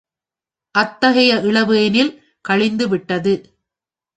அத்தகைய இளவேனில் கழிந்து விட்டது.